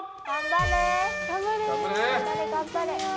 頑張れ！